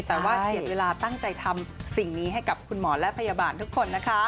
แต่ว่าเจียดเวลาตั้งใจทำสิ่งนี้ให้กับคุณหมอและพยาบาลทุกคนนะคะ